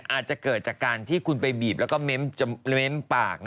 อาจจะเกิดจากการที่คุณไปบีบแล้วก็เม้นปาก